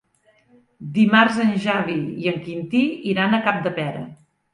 Dimarts en Xavi i en Quintí iran a Capdepera.